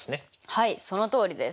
はいそのとおりです。